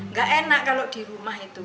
nggak enak kalau di rumah itu